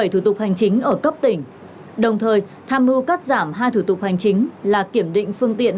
một mươi bảy thủ tục hành chính ở cấp tỉnh đồng thời tham mưu cắt giảm hai thủ tục hành chính là kiểm định phương tiện